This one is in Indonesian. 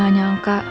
gua gak nyangka